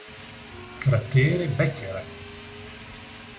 Cratere Becquerel